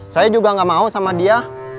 saya juga gak mau sama dia